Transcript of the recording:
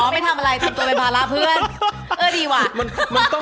อ๋อไม่ทำอะไรทำตัวเป็นภาระเพื่อน